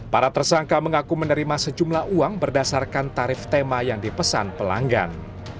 para tersangka mengaku menerima sejumlah uang berdasarkan tarif tema yang dipesan pelanggan